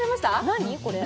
何これ？